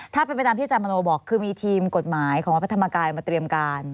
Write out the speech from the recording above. ถ้าเป็นไปตามที่อาจารย์มโนบอกคือมีทีมกฎหมายของวัดพระธรรมกายมาเตรียมการ